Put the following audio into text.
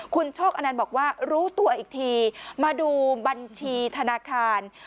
คุณโชคอนันต์บอกว่ารู้ตัวอีกทีมาดูบัญชีธนาคาร